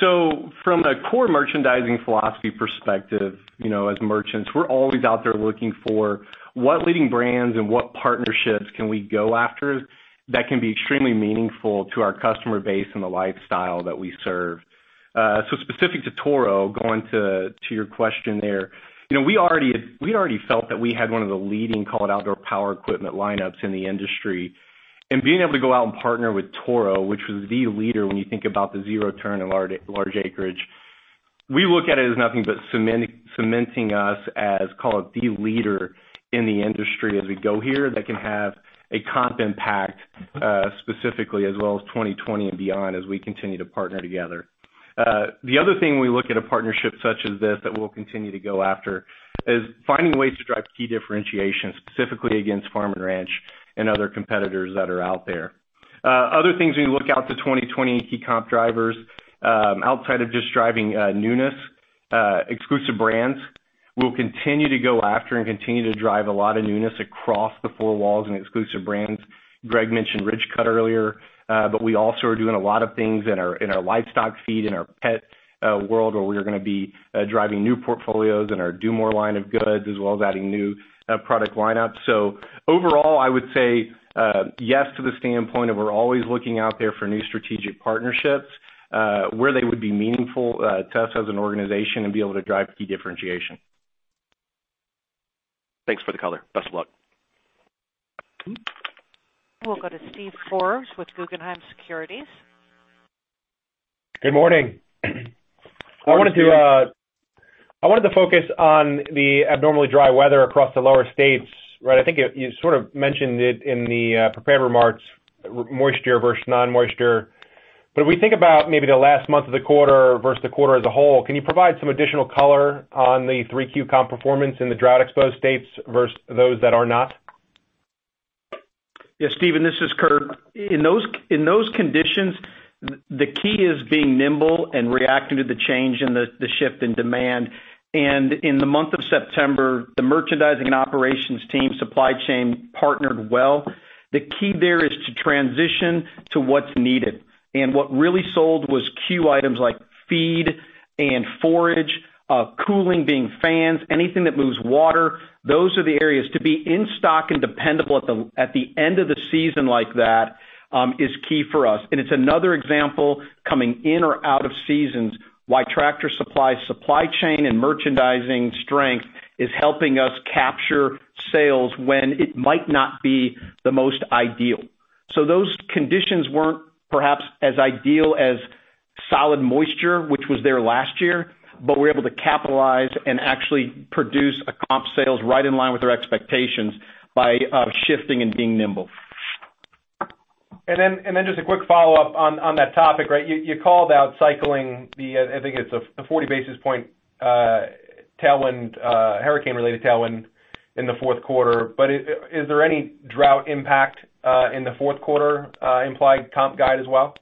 From a core merchandising philosophy perspective, as merchants, we're always out there looking for what leading brands and what partnerships can we go after that can be extremely meaningful to our customer base and the lifestyle that we serve. Specific to Toro, going to your question there. We already felt that we had one of the leading call it outdoor power equipment lineups in the industry, and being able to go out and partner with Toro, which was the leader when you think about the zero turn and large acreage. We look at it as nothing but cementing us as call it the leader in the industry as we go here that can have a comp impact, specifically as well as 2020 and beyond as we continue to partner together. The other thing we look at a partnership such as this that we'll continue to go after is finding ways to drive key differentiation specifically against Farm & Ranch and other competitors that are out there. Other things we look out to 2020 key comp drivers, outside of just driving newness, exclusive brands. We'll continue to go after and continue to drive a lot of newness across the four walls and exclusive brands. Greg mentioned Ridgecut earlier, but we also are doing a lot of things in our livestock feed, in our pet world, where we're going to be driving new portfolios in our Do More line of goods, as well as adding new product lineups. Overall, I would say yes to the standpoint of we're always looking out there for new strategic partnerships, where they would be meaningful to us as an organization and be able to drive key differentiation. Thanks for the color. Best of luck. We'll go to Steven Forbes with Guggenheim Securities. Good morning. I wanted to focus on the abnormally dry weather across the lower states. I think you sort of mentioned it in the prepared remarks, moisture versus non-moisture. If we think about maybe the last month of the quarter versus the quarter as a whole, can you provide some additional color on the 3Q comp performance in the drought exposed states versus those that are not? Yeah, Steven, this is Kurt. In those conditions, the key is being nimble and reacting to the change and the shift in demand. In the month of September, the merchandising and operations team supply chain partnered well. The key there is to transition to what's needed. What really sold was Q items like feed and forage, cooling being fans, anything that moves water. Those are the areas to be in stock and dependable at the end of the season like that is key for us. It's another example coming in or out of seasons why Tractor Supply supply chain and merchandising strength is helping us capture sales when it might not be the most ideal. Those conditions weren't perhaps as ideal as solid moisture, which was there last year, but we're able to capitalize and actually produce a comp sales right in line with our expectations by shifting and being nimble. Just a quick follow-up on that topic. You called out cycling the, I think it's the 40 basis point tailwind, hurricane-related tailwind in the fourth quarter. Is there any drought impact in the fourth quarter implied comp guide as well?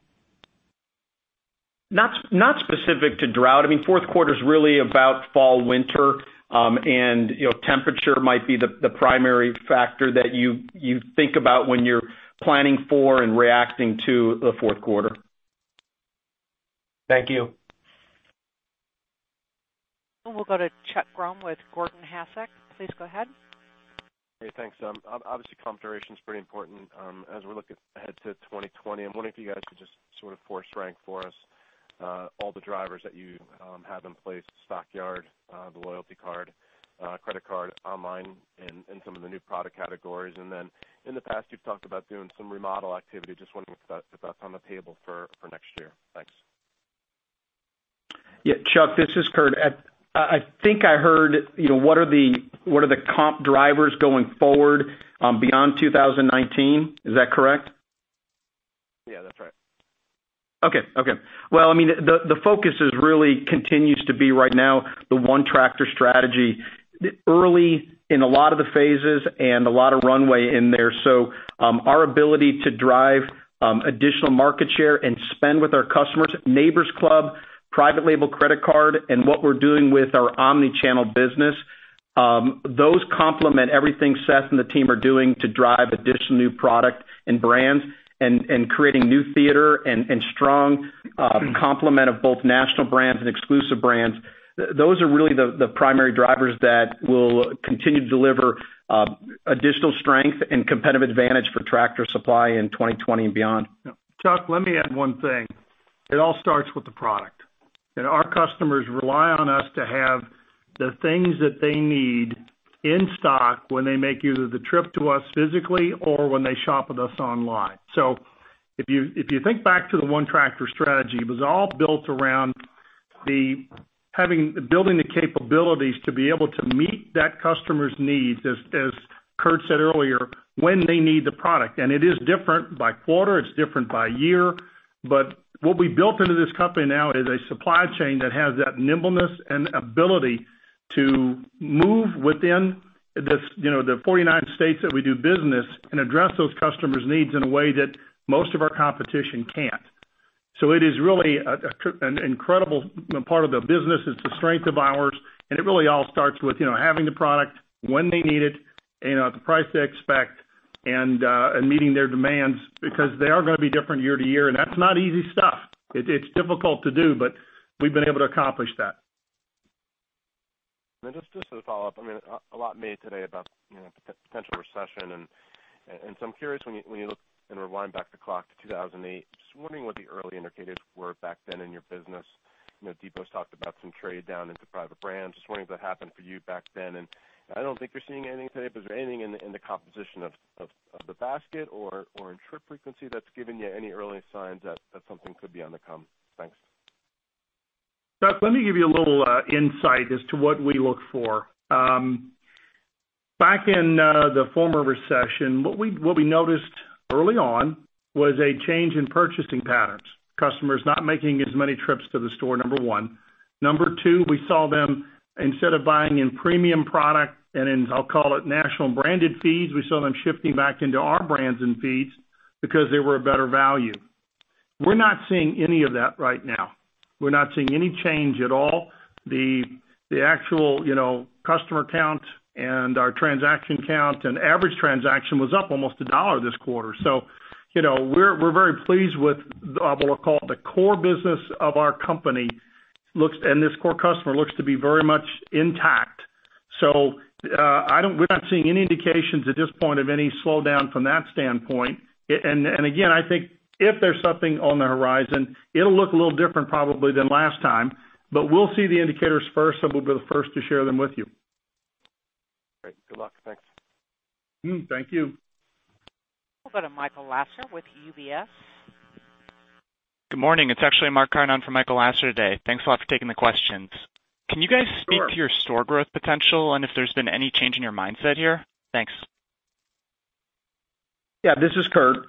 Not specific to drought. Fourth quarter is really about fall, winter, and temperature might be the primary factor that you think about when you're planning for and reacting to the fourth quarter. Thank you. We'll go to Chuck Grom with Gordon Haskett. Please go ahead. Hey, thanks. Obviously, comp duration is pretty important as we're looking ahead to 2020. I'm wondering if you guys could just sort of force rank for us all the drivers that you have in place, Stockyard, the loyalty card, credit card, online, and some of the new product categories. Then in the past, you've talked about doing some remodel activity. Just wondering if that's on the table for next year. Thanks. Yeah. Chuck, this is Kurt. I think I heard, what are the comp drivers going forward beyond 2019? Is that correct? Yeah, that's right. Okay. Well, the focus really continues to be right now, the ONETractor strategy. Early in a lot of the phases and a lot of runway in there. Our ability to drive additional market share and spend with our customers, Neighbor's Club, private label credit card, and what we're doing with our omni-channel business, those complement everything Seth and the team are doing to drive additional new product and brands and creating new theater and strong complement of both national brands and exclusive brands. Those are really the primary drivers that will continue to deliver additional strength and competitive advantage for Tractor Supply in 2020 and beyond. Yeah. Chuck, let me add one thing. It all starts with the product. Our customers rely on us to have the things that they need in stock when they make either the trip to us physically or when they shop with us online. If you think back to the ONETractor strategy, it was all built around building the capabilities to be able to meet that customer's needs, as Kurt said earlier, when they need the product. It is different by quarter, it's different by year. What we built into this company now is a supply chain that has that nimbleness and ability to move within the 49 states that we do business and address those customers' needs in a way that most of our competition can't. It is really an incredible part of the business. It's a strength of ours, and it really all starts with having the product when they need it and at the price they expect and meeting their demands because they are going to be different year to year, and that's not easy stuff. It's difficult to do, but we've been able to accomplish that. Just as a follow-up, a lot made today about potential recession. So I'm curious when you look and rewind back the clock to 2008, just wondering what the early indicators were back then in your business. Depot's talked about some trade down into private brands. Just wondering if that happened for you back then, and I don't think you're seeing anything today, but is there anything in the composition of the basket or in trip frequency that's giving you any early signs that something could be on the come? Thanks. Chuck, let me give you a little insight as to what we look for. Back in the former recession, what we noticed early on was a change in purchasing patterns. Customers not making as many trips to the store, number 1. Number 2, we saw them, instead of buying in premium product and in, I'll call it national branded feeds, we saw them shifting back into our brands and feeds because they were a better value. We're not seeing any of that right now. We're not seeing any change at all. The actual customer count and our transaction count and average transaction was up almost $1 this quarter. We're very pleased with what I'll call the core business of our company. This core customer looks to be very much intact. We're not seeing any indications at this point of any slowdown from that standpoint. Again, I think if there's something on the horizon, it'll look a little different probably than last time, but we'll see the indicators first, and we'll be the first to share them with you. Great. Good luck. Thanks. Thank you. We'll go to Michael Lasser with UBS. Good morning. It's actually Mark Carden for Michael Lasser today. Thanks a lot for taking the questions. Sure. Can you guys speak to your store growth potential and if there's been any change in your mindset here? Thanks. Yeah, this is Kurt.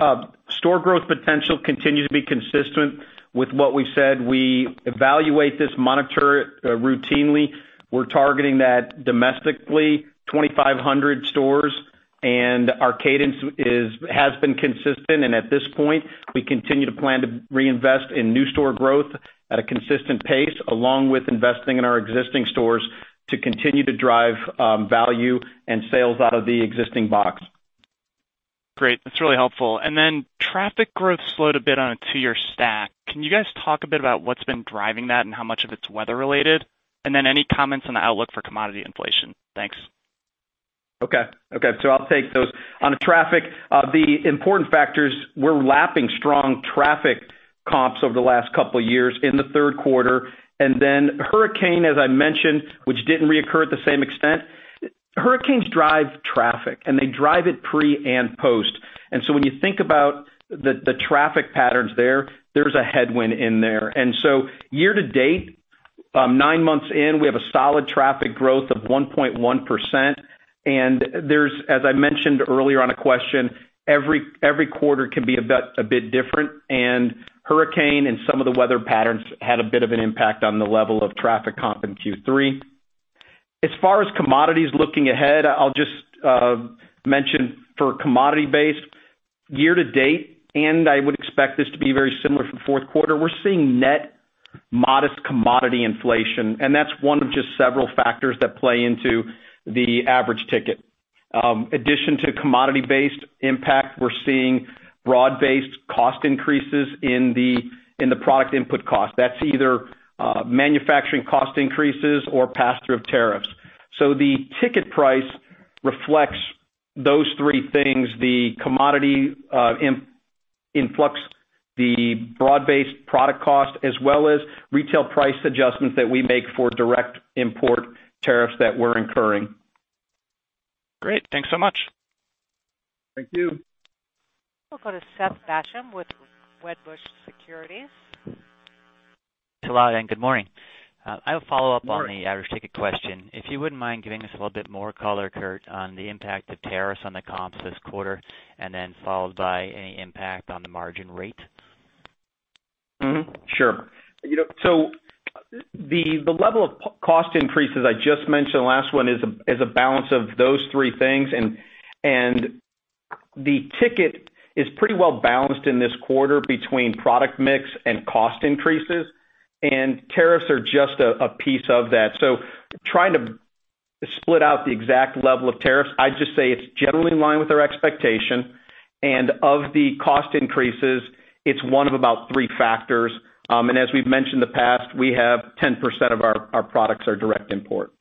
store growth potential continues to be consistent with what we said. We evaluate this, monitor it routinely. We're targeting that domestically 2,500 stores. Our cadence has been consistent. At this point, we continue to plan to reinvest in new store growth at a consistent pace along with investing in our existing stores to continue to drive value and sales out of the existing box. Great. That's really helpful. Traffic growth slowed a bit on a two-year stack. Can you guys talk a bit about what's been driving that and how much of it's weather related? Any comments on the outlook for commodity inflation? Thanks. Okay. I'll take those. On traffic, the important factors, we're lapping strong traffic comps over the last couple of years in the third quarter. Hurricane, as I mentioned, which didn't reoccur at the same extent. Hurricanes drive traffic, and they drive it pre and post. When you think about the traffic patterns there's a headwind in there. Year to date, nine months in, we have a solid traffic growth of 1.1%. There's, as I mentioned earlier on a question, every quarter can be a bit different, and hurricane and some of the weather patterns had a bit of an impact on the level of traffic comp in Q3. As far as commodities looking ahead, I'll just mention for commodity base year to date, I would expect this to be very similar for the fourth quarter, we're seeing net modest commodity inflation. That's one of just several factors that play into the average ticket. Addition to commodity-based impact, we're seeing broad-based cost increases in the product input cost. That's either manufacturing cost increases or pass-through of tariffs. The ticket price reflects those three things, the commodity influx, the broad-based product cost, as well as retail price adjustments that we make for direct import tariffs that we're incurring. Great. Thanks so much. Thank you. We'll go to Seth Basham with Wedbush Securities. [To all], good morning. Good morning. I have a follow-up on the average ticket question. If you wouldn't mind giving us a little bit more color, Kurt, on the impact of tariffs on the comps this quarter, and then followed by any impact on the margin rate. Sure. The level of cost increases I just mentioned, the last one is a balance of those three things. The ticket is pretty well-balanced in this quarter between product mix and cost increases, and tariffs are just a piece of that. Trying to split out the exact level of tariffs, I'd just say it's generally in line with our expectation. Of the cost increases, it's one of about three factors. As we've mentioned in the past, we have 10% of our products are direct import.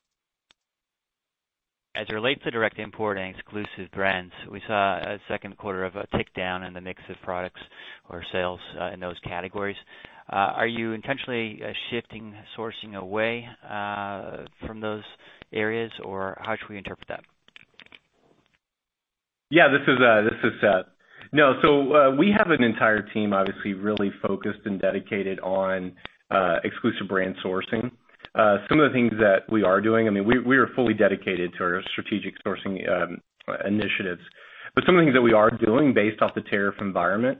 As it relates to direct import and exclusive brands, we saw a second quarter of a tick down in the mix of products or sales, in those categories. Are you intentionally shifting sourcing away from those areas, or how should we interpret that? We have an entire team, obviously, really focused and dedicated on exclusive brand sourcing. Some of the things that we are doing, we are fully dedicated to our strategic sourcing initiatives. Some things that we are doing based off the tariff environment,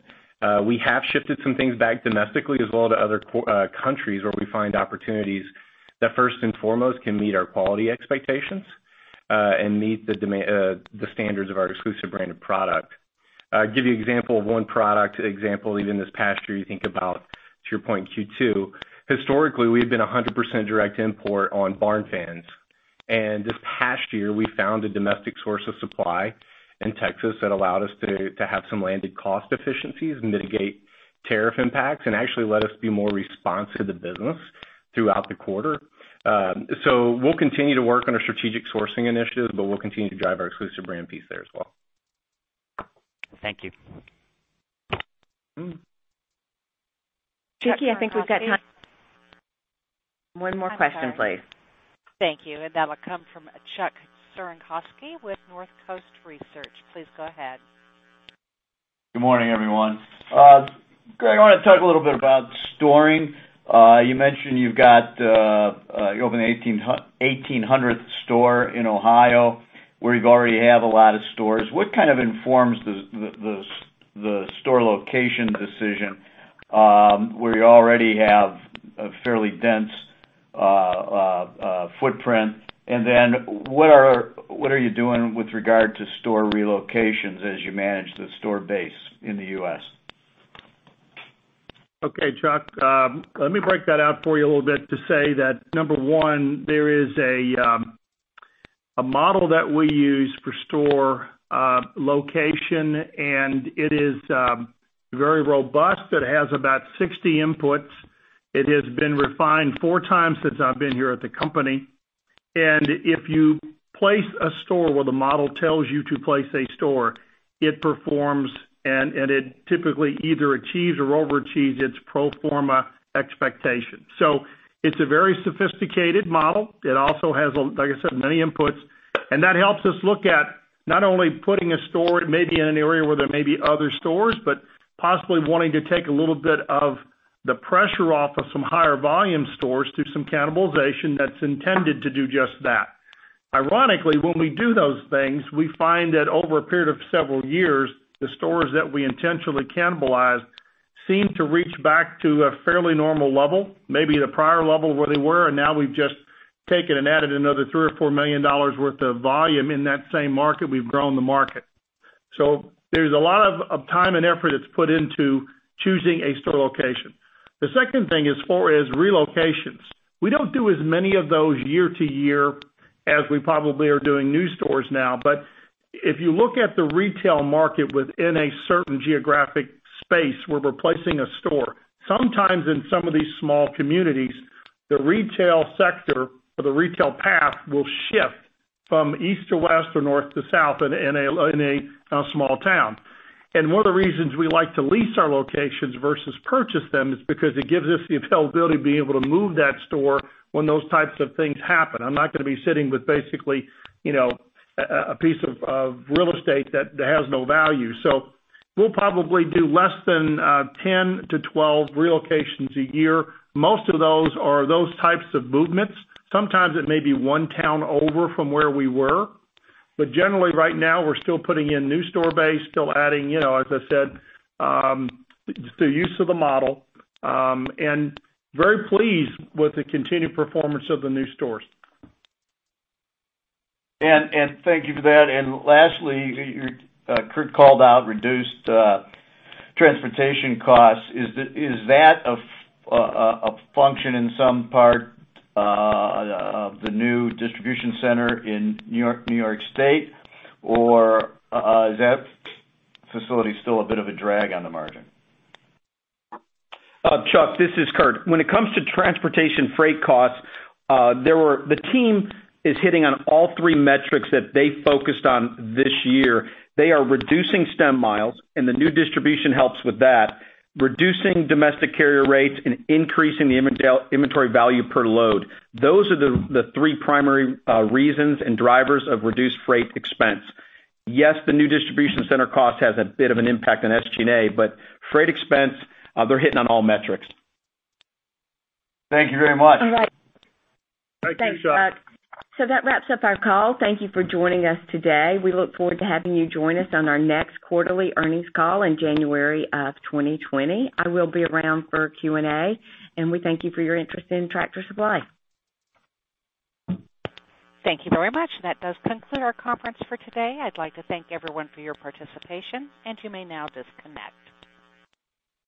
we have shifted some things back domestically as well to other countries where we find opportunities that first and foremost can meet our quality expectations, and meet the standards of our exclusive brand of product. I'll give you an example of one product example, even this past year, you think about, to your point in Q2, historically, we've been 100% direct import on barn fans. This past year, we found a domestic source of supply in Texas that allowed us to have some landed cost efficiencies and mitigate tariff impacts, and actually let us be more responsive to business throughout the quarter. We'll continue to work on our strategic sourcing initiatives, but we'll continue to drive our exclusive brand piece there as well. Thank you. Jackie, I think we've got time for one more question, please. Thank you. That will come from Chuck Cerankosky with Northcoast Research. Please go ahead. Good morning, everyone. Greg, I want to talk a little bit about storing. You mentioned you opened the 1,800th store in Ohio, where you already have a lot of stores. What kind of informs the store location decision, where you already have a fairly dense footprint? What are you doing with regard to store relocations as you manage the store base in the U.S.? Okay, Chuck. Let me break that out for you a little bit to say that number one, there is a model that we use for store location. It is very robust. It has about 60 inputs. It has been refined four times since I've been here at the company. If you place a store where the model tells you to place a store, it performs and it typically either achieves or overachieves its pro forma expectation. It's a very sophisticated model. It also has, like I said, many inputs. That helps us look at not only putting a store maybe in an area where there may be other stores, but possibly wanting to take a little bit of the pressure off of some higher volume stores through some cannibalization that's intended to do just that. When we do those things, we find that over a period of several years, the stores that we intentionally cannibalize seem to reach back to a fairly normal level, maybe the prior level where they were, and now we've just taken and added another $3 million or $4 million worth of volume in that same market. We've grown the market. There's a lot of time and effort that's put into choosing a store location. The second thing as far as relocations, we don't do as many of those year to year as we probably are doing new stores now. If you look at the retail market within a certain geographic space where we're placing a store, sometimes in some of these small communities, the retail sector or the retail path will shift from east to west or north to south in a small town. One of the reasons we like to lease our locations versus purchase them is because it gives us the availability to be able to move that store when those types of things happen. I'm not going to be sitting with basically a piece of real estate that has no value. We'll probably do less than 10 to 12 relocations a year. Most of those are those types of movements. Sometimes it may be one town over from where we were. Generally right now, we're still putting in new store base, still adding, as I said, the use of the model, and very pleased with the continued performance of the new stores. Thank you for that. Lastly, Kurt called out reduced transportation costs. Is that a function in some part of the new distribution center in New York State, or is that facility still a bit of a drag on the margin? Chuck, this is Kurt. When it comes to transportation freight costs, the team is hitting on all three metrics that they focused on this year. They are reducing stem miles, and the new distribution helps with that, reducing domestic carrier rates and increasing the inventory value per load. Those are the three primary reasons and drivers of reduced freight expense. Yes, the new distribution center cost has a bit of an impact on SG&A, but freight expense, they're hitting on all metrics. Thank you very much. All right. Thank you, Chuck. Thanks, Chuck. That wraps up our call. Thank you for joining us today. We look forward to having you join us on our next quarterly earnings call in January of 2020. I will be around for Q&A, and we thank you for your interest in Tractor Supply. Thank you very much. That does conclude our conference for today. I'd like to thank everyone for your participation, and you may now disconnect.